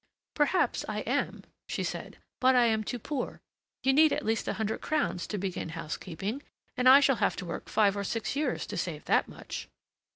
"Perhaps I am," she said; "but I am too poor. You need at least a hundred crowns to begin housekeeping, and I shall have to work five or six years to save that much."